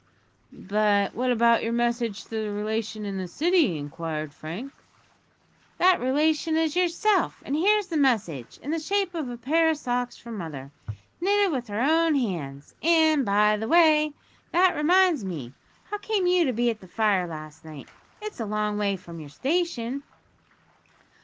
"But what about your message to the relation in the City?" inquired Frank. "That relation is yourself, and here's the message, in the shape of a pair o' socks from mother; knitted with her own hands; and, by the way, that reminds me how came you to be at the fire last night? It's a long way from your station."